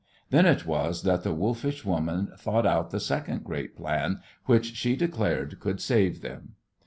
Then it was that the wolfish woman thought out the second great plan which she declared could save them.